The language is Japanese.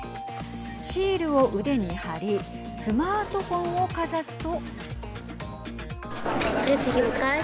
シールを腕に貼りスマートフォンをかざすと。